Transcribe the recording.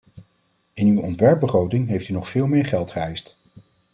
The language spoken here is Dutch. In uw ontwerpbegroting heeft u nog veel meer geld geëist.